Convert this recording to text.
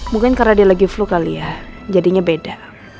mungkin karena dia lagi flu kali ya jadinya beda